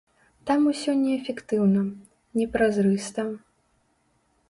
Там усё неэфектыўна, не празрыста.